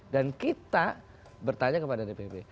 dan kita bertanya kepada dpp